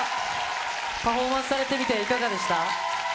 パフォーマンスされてみて、いかがでした？